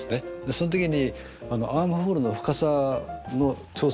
その時にアームホールの深さの調整もしながら。